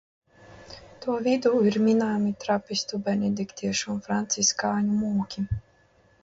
To vidū ir minami trapistu, benediktiešu un franciskāņu mūki.